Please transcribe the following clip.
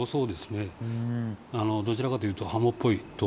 どちらかというと。